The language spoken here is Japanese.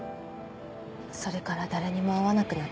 それから誰にも会わなくなって。